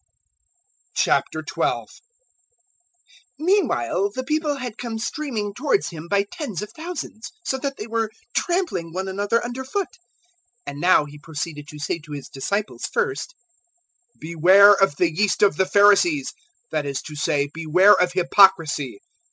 012:001 Meanwhile the people had come streaming towards Him by tens of thousands, so that they were trampling one another under foot. And now He proceeded to say to His disciples first, "Beware of the yeast of the Pharisees, that is to say, beware of hypocrisy.